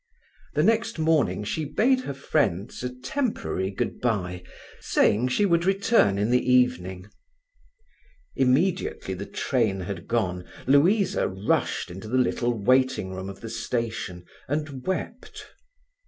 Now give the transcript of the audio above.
The next morning she bade her friends a temporary good bye, saying she would return in the evening. Immediately the train had gone, Louisa rushed into the little waiting room of the station and wept.